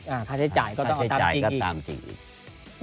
เอ้าค่าใช้จ่ายก็ตามจริงอีก